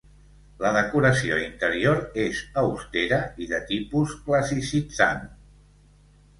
La decoració interior és austera i de tipus classicitzant.